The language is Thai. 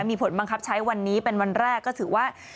มีผลบังคับใช้วันนี้เป็นวันแรกก็ถือว่า